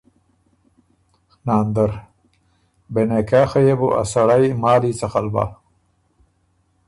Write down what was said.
ناندر: بې نکاحه يې بو ا سړئ مالی څخل بَۀ؟